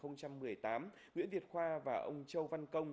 nguyễn việt khoa và ông châu văn công